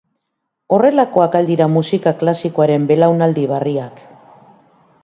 Horrelakoak al dira musika klasikoaren belaunaldi berriak?